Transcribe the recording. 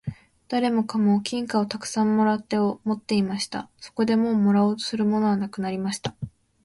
誰もかも金貨をたくさん貰って持っていました。そこでもう貰おうとするものはなくなりました。